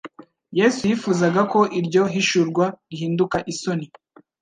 Yesu yifuzaga ko iryo hishurwa rihinduka isoni,